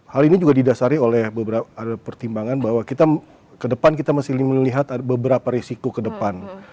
hal ini juga didasari oleh beberapa pertimbangan bahwa kita ke depan kita masih melihat beberapa risiko ke depan